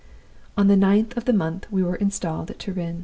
"On the ninth of the month we were installed at Turin.